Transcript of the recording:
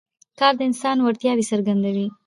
کار د انسان وړتیاوې څرګندوي